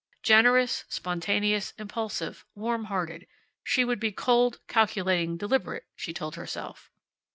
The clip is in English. Generous, spontaneous, impulsive, warm hearted, she would be cold, calculating, deliberate, she told herself.